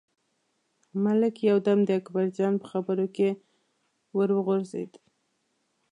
ملک یو دم د اکبرجان په خبرو کې ور وغورځېد.